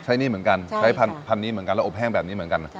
หนี้เหมือนกันใช้พันธุ์นี้เหมือนกันแล้วอบแห้งแบบนี้เหมือนกัน